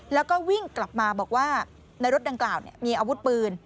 แล้วก็วิ่งกลับมาบอกว่าในรถดังกล่าวมีอาวุธปืน